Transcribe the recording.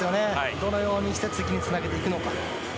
どのようにして次につなげていくのか。